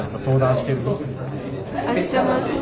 してます。